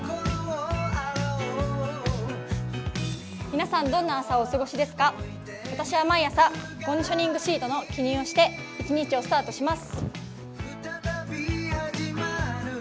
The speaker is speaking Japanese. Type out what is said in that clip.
皆さん、どんな朝をお過ごしですか私は毎朝、コンディショニングシートを記入して一日をスタートします。